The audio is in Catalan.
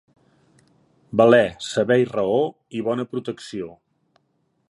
Valer, saber i raó, i bona protecció.